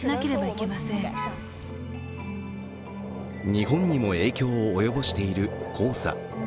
日本にも影響を及ぼしている黄砂。